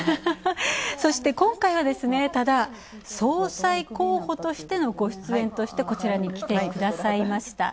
そして今回は、ただ総裁候補としてのご出演としてこちらにきてくださいました。